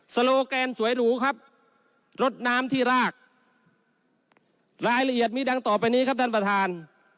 โลแกนสวยหรูครับรถน้ำที่รากรายละเอียดมีดังต่อไปนี้ครับท่านประธาน